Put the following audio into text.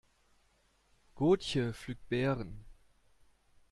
Gotje pflückt Beeren.